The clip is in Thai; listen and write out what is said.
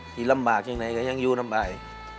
ที่ลำบากยังไงก็ยังอยู่น้ำอาย